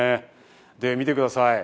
で、みてください。